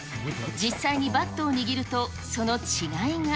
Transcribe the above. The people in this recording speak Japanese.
実際にバットを握ると、その違いが。